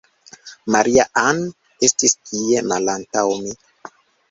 Maria-Ann estis tie, malantaŭ mi.